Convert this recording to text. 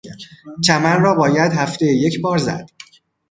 چمن را باید هفتهای یکبار زد.